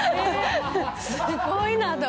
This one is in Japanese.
すごいなと。